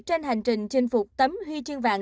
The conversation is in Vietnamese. trên hành trình chinh phục tấm huy chương vạn